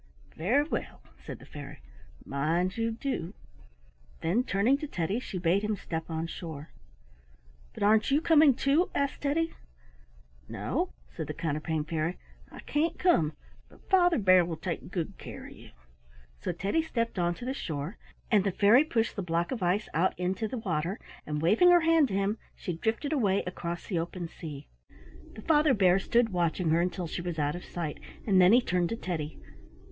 "Very well," said the fairy; "mind you do." Then turning to Teddy she bade him step on shore. "But aren't you coming too?" asked Teddy. "No," said the Counterpane Fairy, "I can't come, but Father Bear will take good care of you." So Teddy stepped onto the shore, and the fairy pushed the block of ice out into the water, and waving her hand to him she drifted away across the open sea. The Father Bear stood watching her until she was out of sight, and then he turned to Teddy.